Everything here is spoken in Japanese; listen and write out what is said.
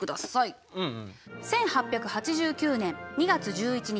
１８８９年２月１１日